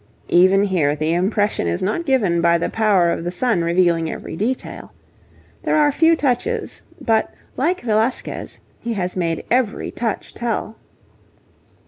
Even here the impression is not given by the power of the sun revealing every detail. There are few touches, but like Velasquez, he has made every touch tell.